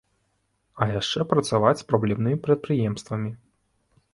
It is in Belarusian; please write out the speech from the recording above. А яшчэ працаваць з праблемнымі прадпрыемствамі.